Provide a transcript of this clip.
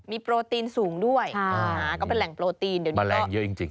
มีโปรตีนสูงด้วยก็เป็นแหล่งโปรตีนเดี๋ยวนี้แมลงเยอะจริง